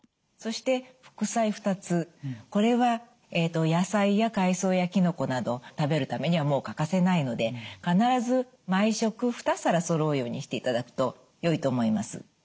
そして副菜２つこれは野菜や海藻やきのこなど食べるためにはもう欠かせないので必ず毎食２皿そろうようにしていただくとよいと思います。